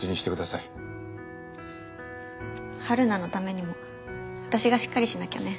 はるなのためにも私がしっかりしなきゃね。